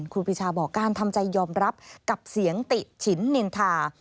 ครูปีชาบอกการทำใจยอมรับกับเสียงติฉินนินทา